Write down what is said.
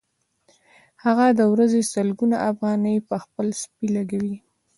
هغه د ورځې سلګونه افغانۍ په خپل سپي لګوي